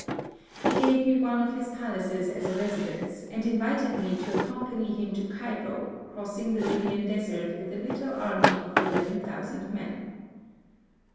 He gave me one of his palaces as a residence, and invited me to accompany him to Cairo, crossing the THE SUEZ CANAL. 11 Libyan desert with a little army of eleven thousand men.